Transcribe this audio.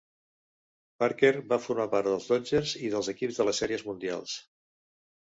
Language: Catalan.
Parker va formar part dels Dodgers i dels equips de les Sèries Mundials.